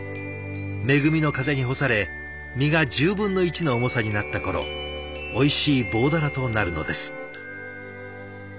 恵みの風に干され身が１０分の１の重さになった頃おいしい棒鱈となるのです。